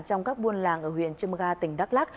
trong các buôn làng ở huyện trâm ga tỉnh đắk lắc